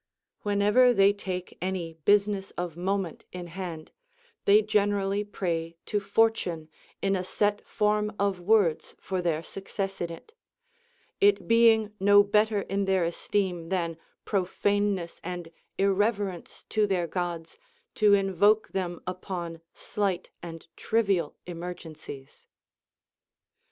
29. ΛVhenever they take any business of moment in hand, they generally pray to Fortune in a set form of words for their success in it ;* it being no better in their esteem than profaneness and irreverence to their Gods to invoke them upon slight and trivial emergencies.